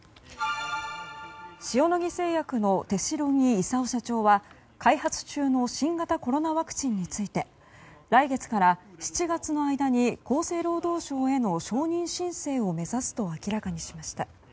塩野義製薬の手代木功社長は開発中の新型コロナワクチンについて来月から７月の間に厚生労働省への承認申請を目指すと明らかにしました。